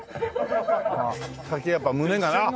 「」先やっぱ胸がな。